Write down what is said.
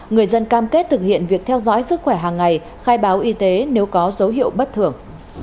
người dân cam kết thực hiện việc theo dõi sức khỏe hàng ngày khai báo y tế nếu có dấu hiệu bất thường